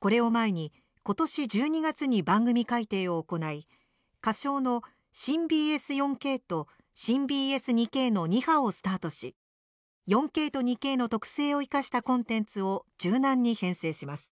これを前に今年１２月に番組改定を行い仮称の新ＢＳ４Ｋと新ＢＳ２Ｋの２波をスタートし４Ｋと２Ｋの特性を生かしたコンテンツを柔軟に編成します。